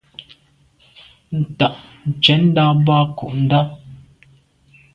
Ntan ntshètndà boa nko’ndà.